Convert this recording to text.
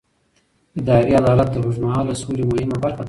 اداري عدالت د اوږدمهاله سولې مهمه برخه ده